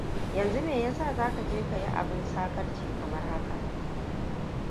Yanzu meyasa za ka je ka yi abun saƙarci kamar haka?